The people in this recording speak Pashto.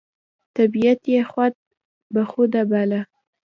طبیعت یې خود بخوده باله،